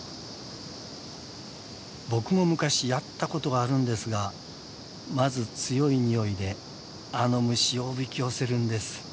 僕も昔やったことがあるんですがまず強いにおいであの虫をおびき寄せるんです。